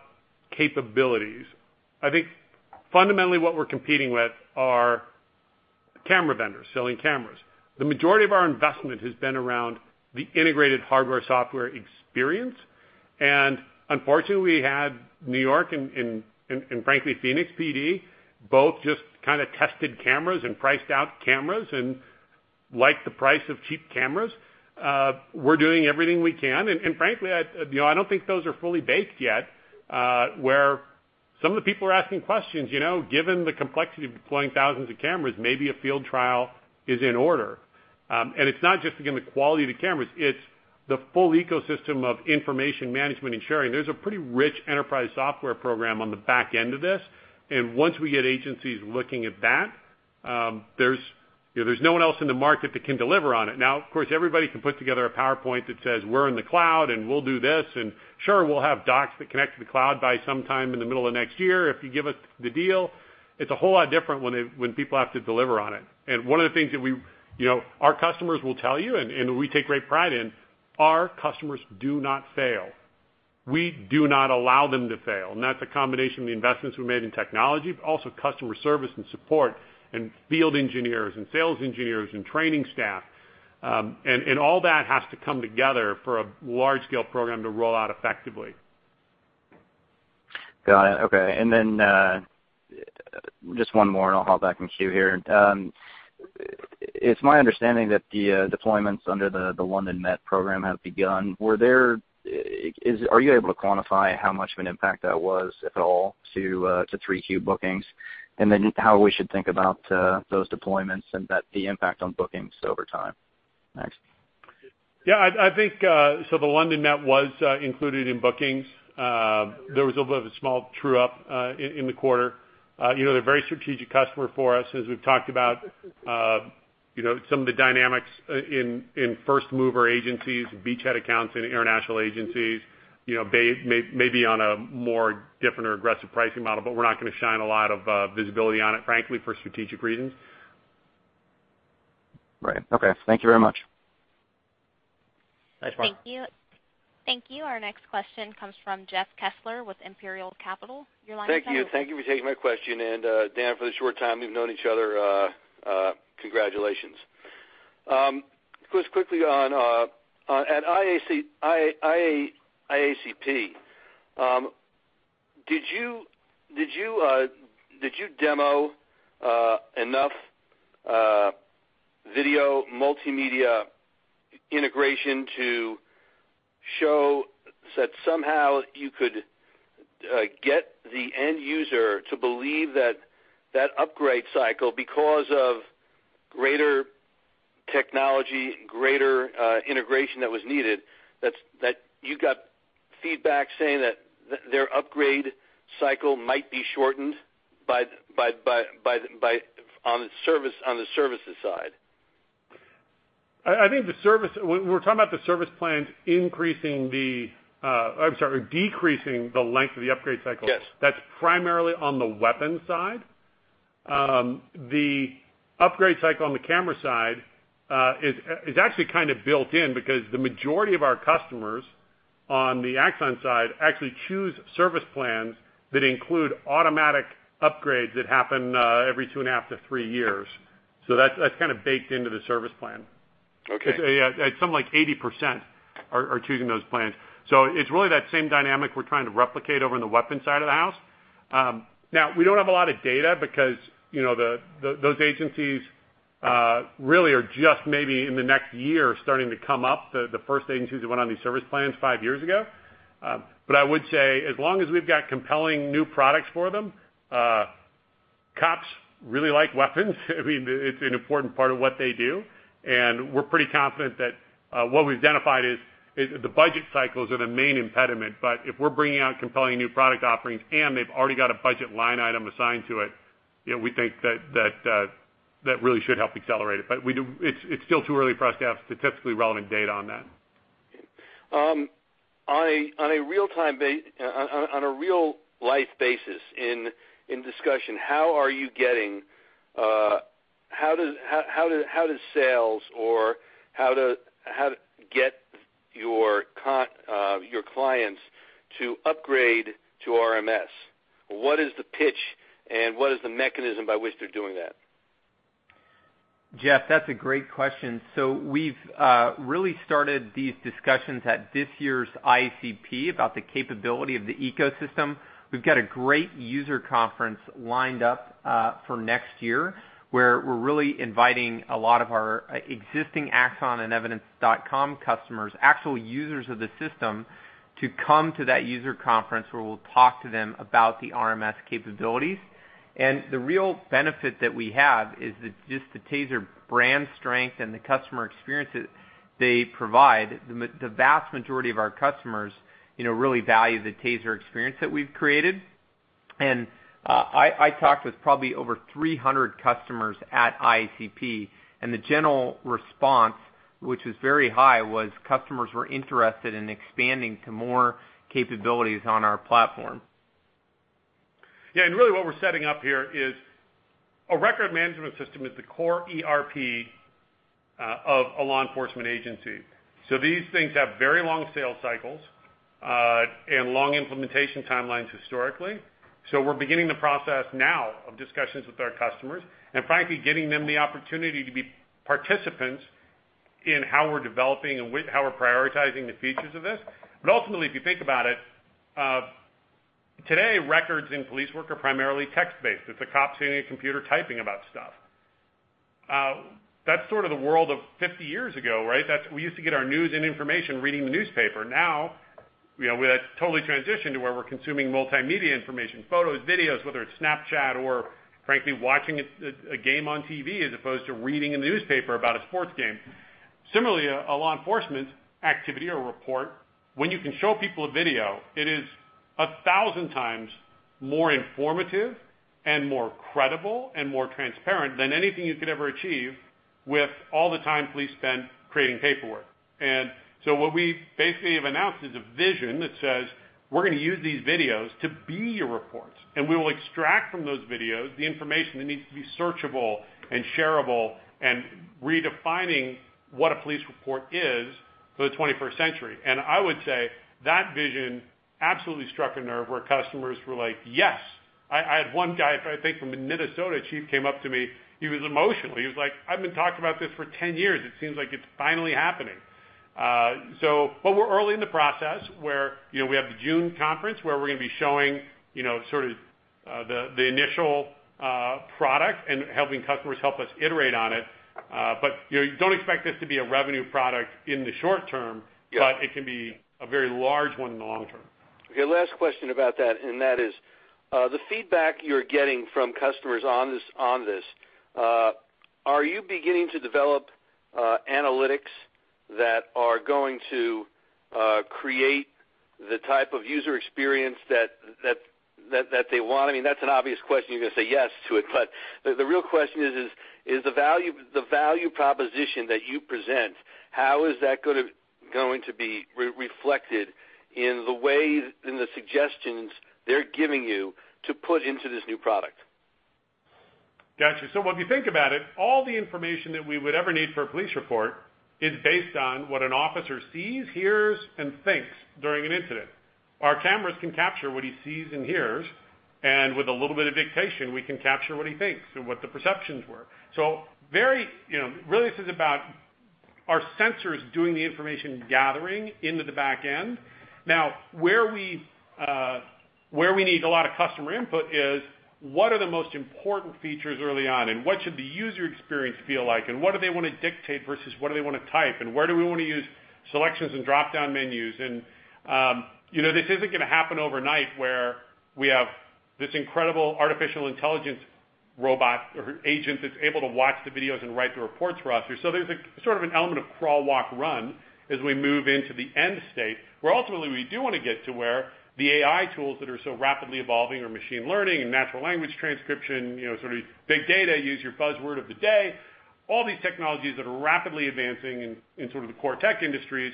capabilities. I think fundamentally what we're competing with are camera vendors selling cameras. The majority of our investment has been around the integrated hardware, software experience. Unfortunately, we had New York and frankly, Phoenix PD, both just kind of tested cameras and priced out cameras and liked the price of cheap cameras. We're doing everything we can, and frankly, I don't think those are fully baked yet, where some of the people are asking questions. Given the complexity of deploying thousands of cameras, maybe a field trial is in order. It's not just, again, the quality of the cameras, it's the full ecosystem of information management and sharing. There's a pretty rich enterprise software program on the back end of this. Once we get agencies looking at that, there's no one else in the market that can deliver on it. Of course, everybody can put together a PowerPoint that says, "We're in the cloud, and we'll do this, and sure, we'll have docs that connect to the cloud by sometime in the middle of next year if you give us the deal." It's a whole lot different when people have to deliver on it. One of the things that our customers will tell you, and we take great pride in, our customers do not fail. We do not allow them to fail. That's a combination of the investments we made in technology, but also customer service and support and field engineers and sales engineers and training staff. All that has to come together for a large-scale program to roll out effectively. Got it. Okay. Just one more, and I'll hop back in queue here. It's my understanding that the deployments under the London Met program have begun. Are you able to quantify how much of an impact that was, if at all, to 3Q bookings? How we should think about those deployments and the impact on bookings over time? Thanks. The London Met was included in bookings. There was a bit of a small true-up in the quarter. They're a very strategic customer for us, as we've talked about some of the dynamics in first-mover agencies and beachhead accounts in international agencies, may be on a more different or aggressive pricing model, we're not going to shine a lot of visibility on it, frankly, for strategic reasons. Right. Okay. Thank you very much. Thanks, Mark. Thank you. Thank you. Our next question comes from Jeff Kessler with Imperial Capital. Your line is open. Thank you. Thank you for taking my question. Dan, for the short time we've known each other, congratulations. Just quickly, at IACP, did you demo enough video multimedia integration to show that somehow you could get the end user to believe that that upgrade cycle, because of greater technology, greater integration that was needed, that you got feedback saying that their upgrade cycle might be shortened on the services side? I think we're talking about the service plans increasing the, I'm sorry, decreasing the length of the upgrade cycle. Yes. That's primarily on the weapons side. The upgrade cycle on the camera side is actually kind of built in because the majority of our customers on the Axon side actually choose service plans that include automatic upgrades that happen every two and a half to three years. That's kind of baked into the service plan. Okay. Yeah. Something like 80% are choosing those plans. It's really that same dynamic we're trying to replicate over in the weapons side of the house. We don't have a lot of data because those agencies really are just maybe in the next year starting to come up, the first agencies that went on these service plans five years ago. I would say, as long as we've got compelling new products for them, cops really like weapons. It's an important part of what they do. We're pretty confident that what we've identified is the budget cycles are the main impediment, but if we're bringing out compelling new product offerings and they've already got a budget line item assigned to it, we think that really should help accelerate it. It's still too early for us to have statistically relevant data on that. On a real-life basis in discussion, how does sales or how to get your clients to upgrade to RMS? What is the pitch, and what is the mechanism by which they're doing that? Jeff, that's a great question. We've really started these discussions at this year's IACP about the capability of the ecosystem. We've got a great user conference lined up for next year, where we're really inviting a lot of our existing Axon and Evidence.com customers, actual users of the system to come to that user conference where we'll talk to them about the RMS capabilities. The real benefit that we have is just the TASER brand strength and the customer experience that they provide. The vast majority of our customers really value the TASER experience that we've created. I talked with probably over 300 customers at IACP, and the general response, which was very high, was customers were interested in expanding to more capabilities on our platform. Really what we're setting up here is a records management system is the core ERP of a law enforcement agency. These things have very long sales cycles, and long implementation timelines historically. We're beginning the process now of discussions with our customers, and frankly, giving them the opportunity to be participants in how we're developing and how we're prioritizing the features of this. Ultimately, if you think about it, today, records in police work are primarily text-based. It's a cop sitting at a computer typing about stuff. That's sort of the world of 50 years ago, right? We used to get our news and information reading the newspaper. Now, we have totally transitioned to where we're consuming multimedia information, photos, videos, whether it's Snapchat or frankly, watching a game on TV as opposed to reading a newspaper about a sports game. Similarly, a law enforcement activity or report, when you can show people a video, it is 1,000 times more informative and more credible and more transparent than anything you could ever achieve with all the time police spend creating paperwork. What we basically have announced is a vision that says we're going to use these videos to be your reports, and we will extract from those videos the information that needs to be searchable and shareable and redefining what a police report is for the 21st century. I would say that vision absolutely struck a nerve where customers were like, "Yes." I had one guy, I think from Minnesota, chief came up to me, he was emotional. He was like, "I've been talking about this for 10 years. It seems like it's finally happening." We're early in the process, where we have the June conference where we're going to be showing sort of the initial product and having customers help us iterate on it. Don't expect this to be a revenue product in the short term. Yeah it can be a very large one in the long term. Okay, last question about that, and that is, the feedback you're getting from customers on this, are you beginning to develop analytics that are going to create the type of user experience that they want? I mean, that's an obvious question. You're going to say yes to it. The real question is, the value proposition that you present, how is that going to be reflected in the ways, in the suggestions they're giving you to put into this new product? Got you. If you think about it, all the information that we would ever need for a police report is based on what an officer sees, hears, and thinks during an incident. Our cameras can capture what he sees and hears, and with a little bit of dictation, we can capture what he thinks and what the perceptions were. Really this is about our sensors doing the information gathering into the back end. Where we need a lot of customer input is what are the most important features early on, and what should the user experience feel like, and what do they want to dictate versus what do they want to type, and where do we want to use selections and drop-down menus? This isn't going to happen overnight where we have this incredible artificial intelligence robot or agent that's able to watch the videos and write the reports for us. There's sort of an element of crawl, walk, run as we move into the end state, where ultimately we do want to get to where the AI tools that are so rapidly evolving are machine learning and natural language transcription, sort of big data, use your buzzword of the day. All these technologies that are rapidly advancing in sort of the core tech industries.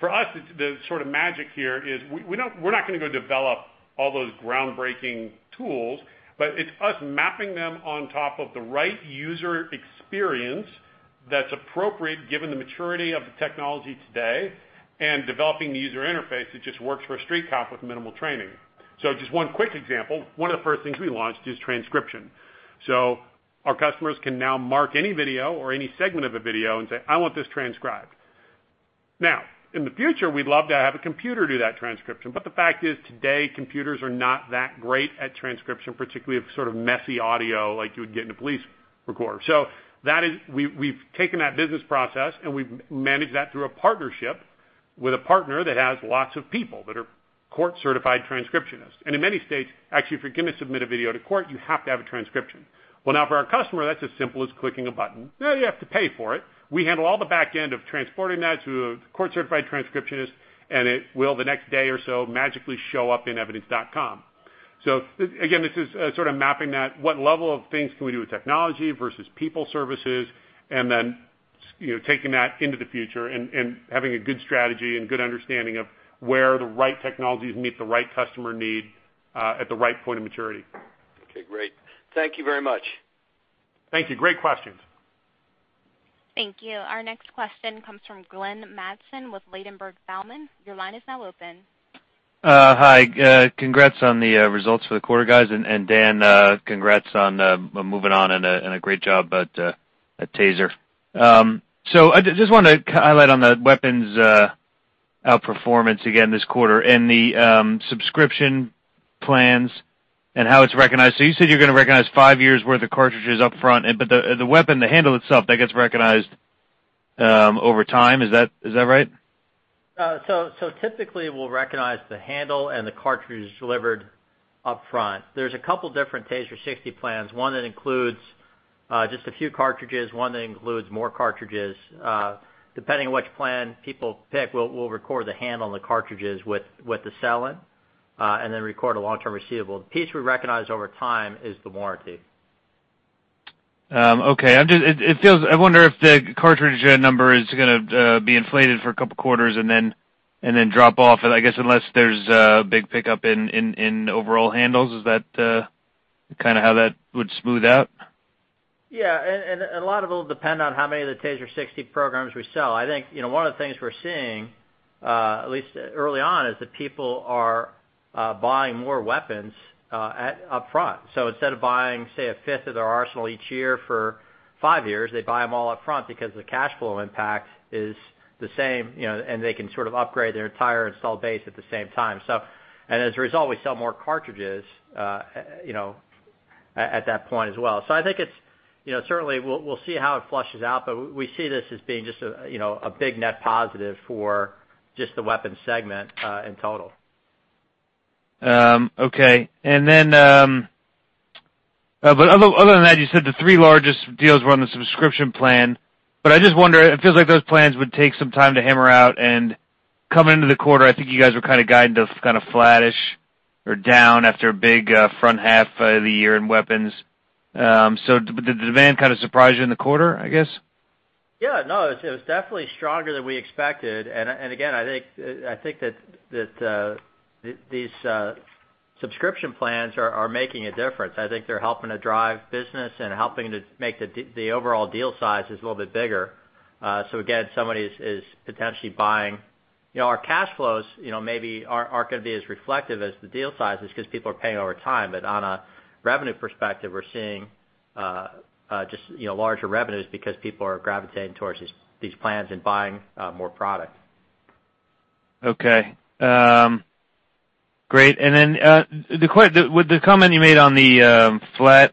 For us, the sort of magic here is we're not going to go develop all those groundbreaking tools, it's us mapping them on top of the right user experience that's appropriate given the maturity of the technology today, and developing the user interface that just works for a street cop with minimal training. Just one quick example. One of the first things we launched is transcription. Our customers can now mark any video or any segment of a video and say, "I want this transcribed." Now, in the future, we'd love to have a computer do that transcription. The fact is, today, computers are not that great at transcription, particularly of sort of messy audio like you would get in a police recorder. We've taken that business process, and we've managed that through a partnership with a partner that has lots of people that are court-certified transcriptionists. In many states, actually, if you're going to submit a video to court, you have to have a transcription. Now for our customer, that's as simple as clicking a button. You have to pay for it. We handle all the back end of transporting that to a court-certified transcriptionist, and it will, the next day or so, magically show up in Evidence.com. Again, this is sort of mapping that, what level of things can we do with technology versus people services, and then taking that into the future and having a good strategy and good understanding of where the right technologies meet the right customer need, at the right point of maturity. Okay, great. Thank you very much. Thank you. Great questions. Thank you. Our next question comes from Glenn Mattson with Ladenburg Thalmann. Your line is now open. Hi. Congrats on the results for the quarter, guys, and Dan, congrats on moving on and a great job at TASER. I just wanted to highlight on the weapons outperformance again this quarter and the subscription plans. How it's recognized. You said you're going to recognize five years' worth of cartridges up front, but the weapon, the handle itself, that gets recognized over time. Is that right? Typically, we'll recognize the handle and the cartridge delivered upfront. There's a couple different TASER 60 plans. One that includes just a few cartridges, one that includes more cartridges. Depending on which plan people pick, we'll record the handle and the cartridges with the sell-in, and then record a long-term receivable. The piece we recognize over time is the warranty. Okay. I wonder if the cartridge number is going to be inflated for a couple quarters and then drop off. I guess unless there's a big pickup in overall handles. Is that how that would smooth out? Yeah. A lot of it will depend on how many of the TASER 60 programs we sell. I think one of the things we're seeing, at least early on, is that people are buying more weapons up front. Instead of buying, say, a fifth of their arsenal each year for 5 years, they buy them all up front because the cash flow impact is the same, and they can sort of upgrade their entire install base at the same time. As a result, we sell more cartridges at that point as well. I think certainly, we'll see how it flushes out, but we see this as being just a big net positive for just the weapon segment in total. Okay. Other than that, you said the 3 largest deals were on the subscription plan. I just wonder, it feels like those plans would take some time to hammer out, coming into the quarter, I think you guys were kind of guiding those kind of flat-ish or down after a big front half of the year in weapons. Did the demand kind of surprise you in the quarter, I guess? Yeah, no, it was definitely stronger than we expected. Again, I think that these subscription plans are making a difference. I think they're helping to drive business and helping to make the overall deal sizes a little bit bigger. Again, somebody is potentially buying. Our cash flows maybe aren't going to be as reflective as the deal sizes because people are paying over time. On a revenue perspective, we're seeing just larger revenues because people are gravitating towards these plans and buying more product. Okay. Great. With the comment you made on the flat,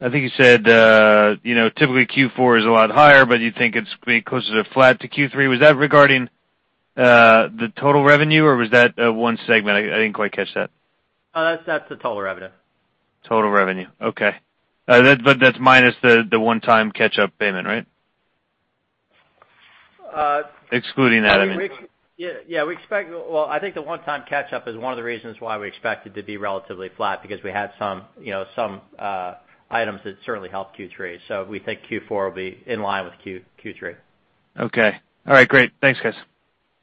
I think you said, typically Q4 is a lot higher, but you think it's going to be closer to flat to Q3. Was that regarding the total revenue, or was that one segment? I didn't quite catch that. That's the total revenue. Total revenue. Okay. That's minus the one-time catch-up payment, right? Excluding that, I mean. Yeah. Well, I think the one-time catch-up is one of the reasons why we expected to be relatively flat, because we had some items that certainly helped Q3. We think Q4 will be in line with Q3. Okay. All right, great. Thanks, guys.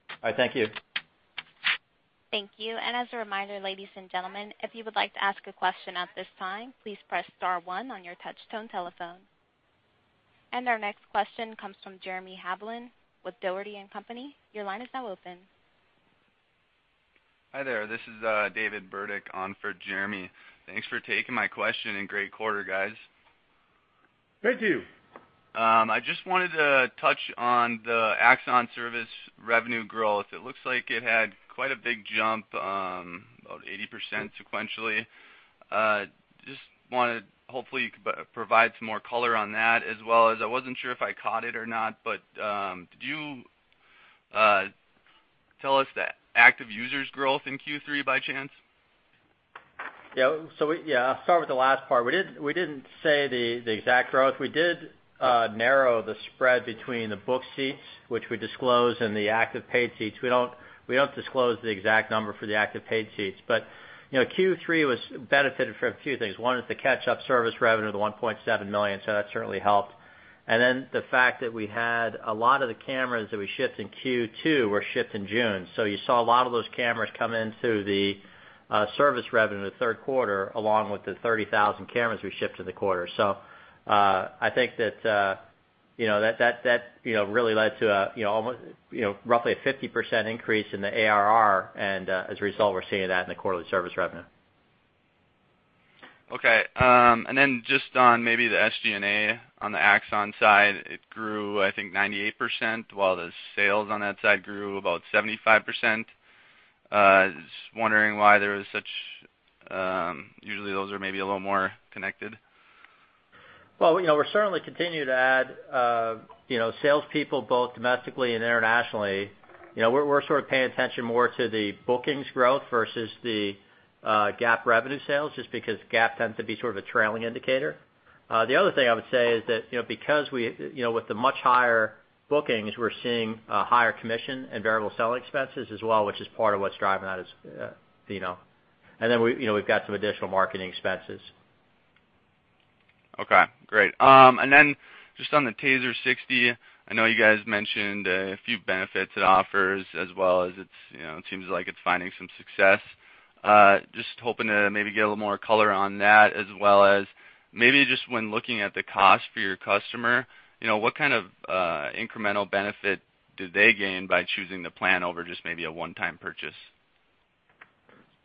All right, thank you. Thank you. As a reminder, ladies and gentlemen, if you would like to ask a question at this time, please press star one on your touch tone telephone. Our next question comes from Jeremy Hamblin with Dougherty & Company. Your line is now open. Hi there. This is David Burdick on for Jeremy. Thanks for taking my question, and great quarter, guys. Thank you. I just wanted to touch on the Axon service revenue growth. It looks like it had quite a big jump, about 80% sequentially. Hopefully you could provide some more color on that as well as I wasn't sure if I caught it or not, but did you tell us the active users growth in Q3 by chance? Yeah. I'll start with the last part. We didn't say the exact growth. We did narrow the spread between the booked seats, which we disclose, and the active paid seats. We don't disclose the exact number for the active paid seats. Q3 benefited from a few things. One is the catch-up service revenue, the $1.7 million, so that certainly helped. The fact that we had a lot of the cameras that we shipped in Q2 were shipped in June. You saw a lot of those cameras come into the service revenue in the third quarter, along with the 30,000 cameras we shipped in the quarter. I think that really led to roughly a 50% increase in the ARR, and as a result, we're seeing that in the quarterly service revenue. Okay. Just on maybe the SG&A on the Axon side, it grew, I think, 98%, while the sales on that side grew about 75%. Usually those are maybe a little more connected. Well, we certainly continue to add salespeople both domestically and internationally. We're sort of paying attention more to the bookings growth versus the GAAP revenue sales, just because GAAP tends to be sort of a trailing indicator. The other thing I would say is that, with the much higher bookings, we're seeing a higher commission and variable selling expenses as well, which is part of what's driving that. We've got some additional marketing expenses. Okay, great. Just on the TASER 60, I know you guys mentioned a few benefits it offers as well as it seems like it's finding some success. Just hoping to maybe get a little more color on that as well as maybe just when looking at the cost for your customer, what kind of incremental benefit do they gain by choosing the plan over just maybe a one-time purchase?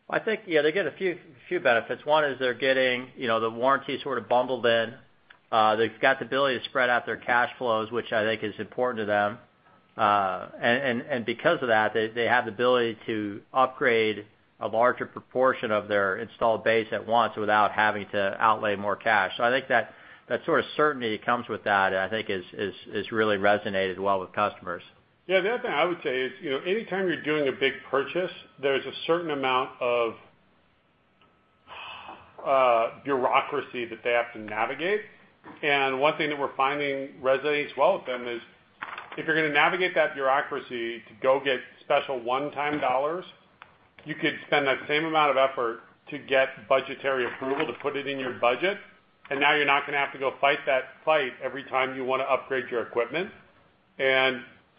I think, yeah, they get a few benefits. One is they're getting the warranty sort of bundled in. They've got the ability to spread out their cash flows, which I think is important to them. Because of that, they have the ability to upgrade a larger proportion of their installed base at once without having to outlay more cash. I think that sort of certainty comes with that, I think has really resonated well with customers. Yeah. The other thing I would say is anytime you're doing a big purchase, there's a certain amount of bureaucracy that they have to navigate. One thing that we're finding resonates well with them is, if you're going to navigate that bureaucracy to go get special one-time dollars, you could spend that same amount of effort to get budgetary approval to put it in your budget. Now you're not going to have to go fight that fight every time you want to upgrade your equipment.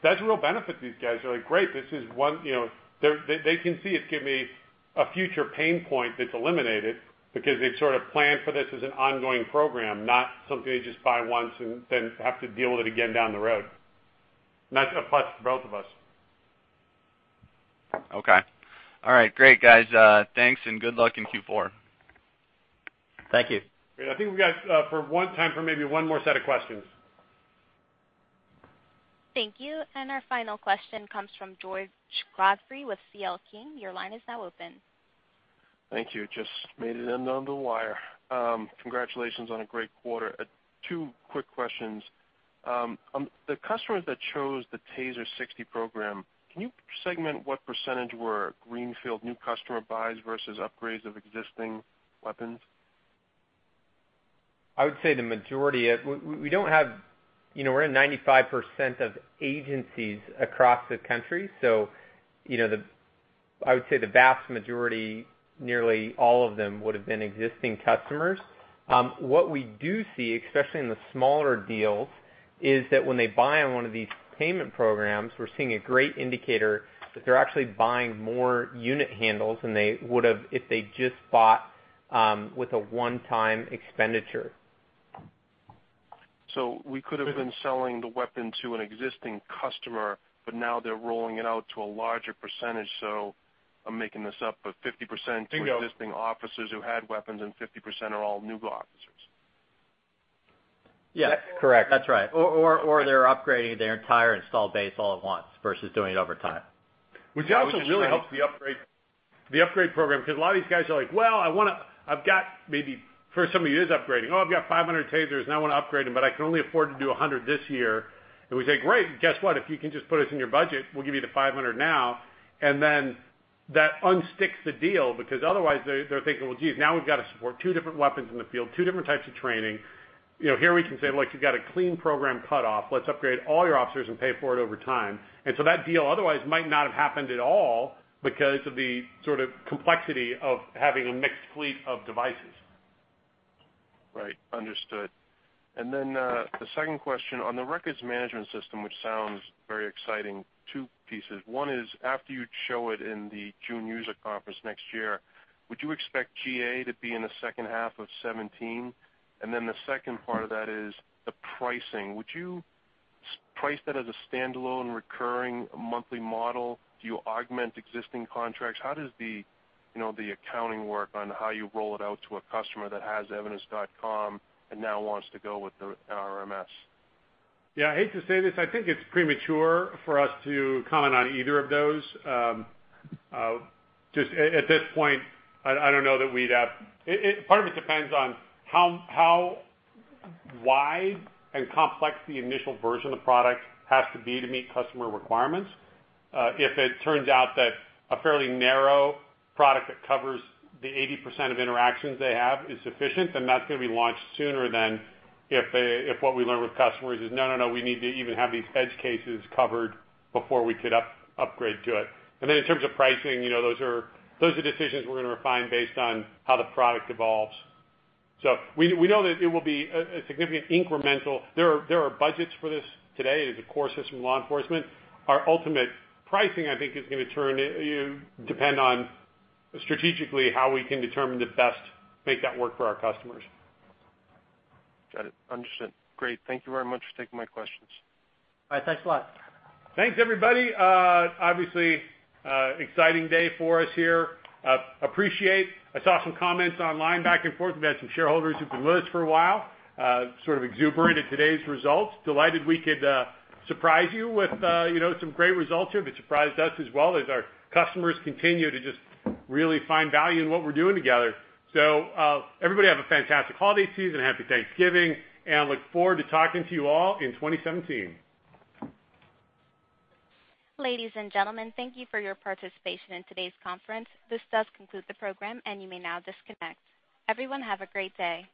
That's a real benefit to these guys. They're like, "Great." They can see it's giving me a future pain point that's eliminated because they've sort of planned for this as an ongoing program, not something they just buy once and then have to deal with it again down the road. That's a plus for both of us. Okay. All right. Great, guys. Thanks and good luck in Q4. Thank you. Great. I think we got time for maybe one more set of questions. Thank you. Our final question comes from George Godfrey with C.L. King. Your line is now open. Thank you. Just made it in under the wire. Congratulations on a great quarter. Two quick questions. The customers that chose the TASER 60 program, can you segment what % were greenfield new customer buys versus upgrades of existing weapons? I would say the majority. We're in 95% of agencies across the country, so I would say the vast majority, nearly all of them would've been existing customers. What we do see, especially in the smaller deals, is that when they buy on one of these payment programs, we're seeing a great indicator that they're actually buying more unit handles than they would've if they just bought with a one-time expenditure. We could have been selling the weapon to an existing customer, but now they're rolling it out to a larger percentage, so I'm making this up, but 50%- There you go. to existing officers who had weapons and 50% are all new officers. Yeah. That's correct. That's right. They're upgrading their entire installed base all at once versus doing it over time. Which also really helps the upgrade program, because a lot of these guys are like, maybe for somebody who is upgrading, "Oh, I've got 500 TASERs and I want to upgrade them, but I can only afford to do 100 this year." We say, "Great. Guess what? If you can just put us in your budget, we'll give you the 500 now." That unsticks the deal because otherwise they're thinking, "Well, geez, now we've got to support two different weapons in the field, 2 different types of training." Here we can say, "Look, you got a clean program cut off. Let's upgrade all your officers and pay for it over time." That deal otherwise might not have happened at all because of the sort of complexity of having a mixed fleet of devices. Right. Understood. The second question, on the Records Management System, which sounds very exciting, two pieces. One is after you show it in the June user conference next year, would you expect GA to be in the second half of 2017? The second part of that is the pricing. Would you price that as a standalone recurring monthly model? Do you augment existing contracts? How does the accounting work on how you roll it out to a customer that has Evidence.com and now wants to go with the RMS? Yeah. I hate to say this, I think it's premature for us to comment on either of those. Just at this point, I don't know that we'd have. Part of it depends on how wide and complex the initial version of the product has to be to meet customer requirements. If it turns out that a fairly narrow product that covers the 80% of interactions they have is sufficient, then that's going to be launched sooner than if what we learn with customers is, "No, we need to even have these edge cases covered before we could upgrade to it." In terms of pricing, those are decisions we're going to refine based on how the product evolves. We know that it will be a significant incremental. There are budgets for this today as a core system law enforcement. Our ultimate pricing, I think is going to depend on strategically how we can determine the best fit that work for our customers. Got it. Understood. Great. Thank you very much for taking my questions. All right. Thanks a lot. Thanks, everybody. Obviously, exciting day for us here. Appreciate. I saw some comments online back and forth. We've had some shareholders who've been with us for a while, sort of exuberant at today's results. Delighted we could surprise you with some great results here, but surprised us as well as our customers continue to just really find value in what we're doing together. Everybody have a fantastic holiday season. Happy Thanksgiving, I look forward to talking to you all in 2017. Ladies and gentlemen, thank you for your participation in today's conference. This does conclude the program, you may now disconnect. Everyone have a great day.